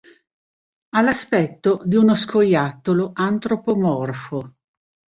Ha l'aspetto di uno scoiattolo antropomorfo.